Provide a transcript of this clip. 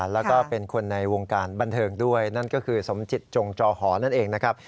แล้วก็เป็นคนในวงการบันเทิงด้วยนั่นก็คือสมจิตจงจอหอนั่นเองนะครับ